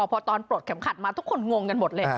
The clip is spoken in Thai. พอตอนปลดเข็มขัดมาทุกคนงงกันหมดเลย